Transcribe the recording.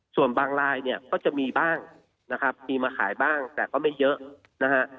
ส่วนบางลายเนี่ยก็จะมีบ้างนะครับมีมาขายบ้างแต่ก็ไม่เยอะนะฮะ